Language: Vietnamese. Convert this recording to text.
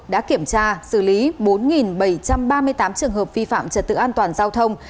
đã kiểm tra xử lý bốn bảy trăm ba mươi tám trường hợp vi phạm trật tự an toàn giao thông